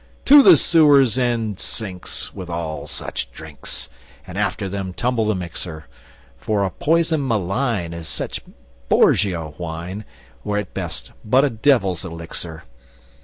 To the sewers and sinks With all such drinks, And after them tumble the mixer; For a poison malign Is such Borgia wine, Or at best but a Devil's Elixir.